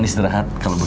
begini adanya pak